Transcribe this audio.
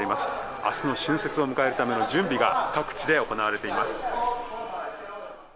明日の春節を迎えるための準備が各地で行われています。